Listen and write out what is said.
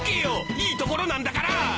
いいところなんだから！